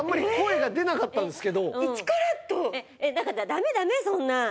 ダメダメそんな。